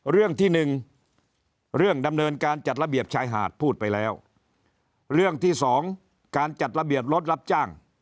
เรื่องที่หนึ่งเรื่องดำเนินการจัดระเบียบชายหาดพูดไปแล้วเรื่องที่สองการจัดระเบียบรถรับจ้าง